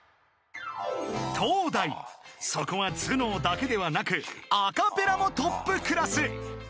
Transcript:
そこは頭脳だけではなくアカペラもトップクラス］